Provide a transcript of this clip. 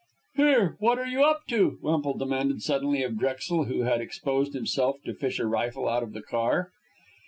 "Here! what are you up to!" Wemple demanded suddenly of Drexel, who had exposed himself to fish a rifle out of the car.